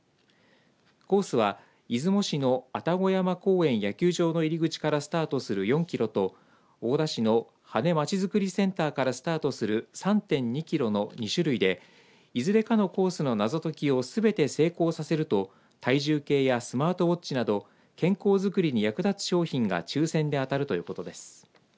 コースは、出雲市の愛宕山公園野球場の入り口からスタートする４キロと大田市の波根まちづくりセンターからスタートする３．２キロの２種類でいずれかのコースの謎解きをすべて成功させると体重計やスマートウオッチなど健康づくりに役立つ商品が抽せんで当たるということです。